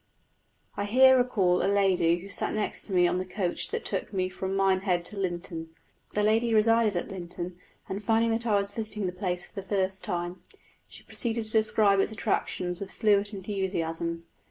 I here recall a lady who sat next to me on the coach that took me from Minehead to Lynton. The lady resided at Lynton, and finding that I was visiting the place for the first time, she proceeded to describe its attractions with fluent enthusiasm.